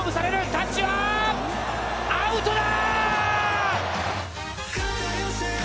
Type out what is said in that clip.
タッチはアウトだ！